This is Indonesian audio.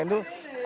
ini adalah ramah